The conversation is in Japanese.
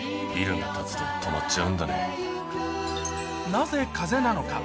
なぜ「風」なのか？